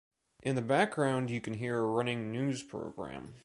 In the background you can hear a running news program.